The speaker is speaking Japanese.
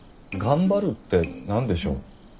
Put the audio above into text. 「頑張る」って何でしょう？